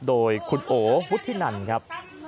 โดยคุณโอวุฒินันครับ